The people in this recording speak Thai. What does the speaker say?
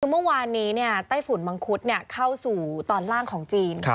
ก็เป็นวันนี้ต้ไฟฝุ่นมังคุศเข้าสู่ตอนล่างของจีน